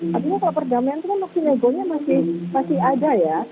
tapi kalau perdamaian itu kan maksudnya golnya masih ada ya